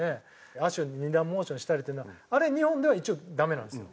足を二段モーションしたりっていうのはあれ日本では一応ダメなんですよ。